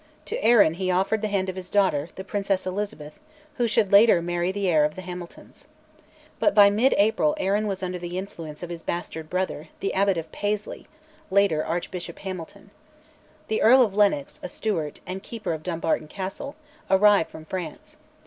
To Arran he offered the hand of his daughter, the Princess Elizabeth, who should later marry the heir of the Hamiltons. But by mid April Arran was under the influence of his bastard brother, the Abbot of Paisley (later Archbishop Hamilton). The Earl of Lennox, a Stuart, and Keeper of Dumbarton Castle, arrived from France.